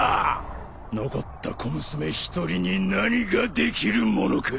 残った小娘一人に何ができるものか。